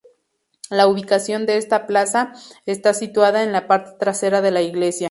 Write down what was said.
La ubicación de esta plaza, está situada en la parte trasera de la Iglesia.